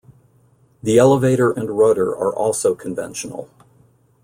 The elevator and rudder are also conventional.